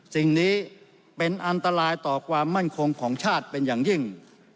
สิ่งนี้เป็นอันตรายต่อความมั่นคงของชาติเป็นอย่างยิ่ง